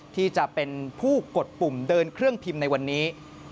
ที่จะเป็นผู้กดปุ่มเดินเครื่องพิมพ์ในวันนี้